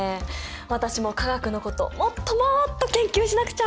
私も化学のこともっともっと研究しなくちゃ！